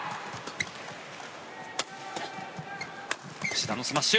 志田のスマッシュ。